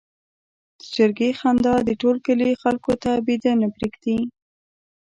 د چرګې خندا د ټول کلي خلکو ته بېده نه پرېږدي.